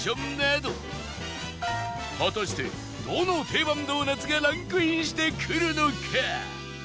果たしてどの定番ドーナツがランクインしてくるのか？